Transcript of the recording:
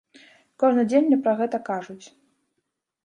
Кожны дзень мне пра гэта кажуць.